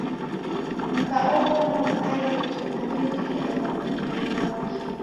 Mka ofwana ukaie kima imbiri ya mumi wake